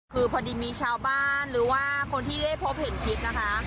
คือพอดีมีชาวบ้านหรือว่าคนที่ได้พบเห็นคลิปนะคะ